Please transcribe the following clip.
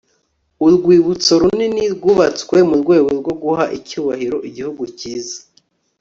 urwibutso runini rwubatswe mu rwego rwo guha icyubahiro igihugu cyiza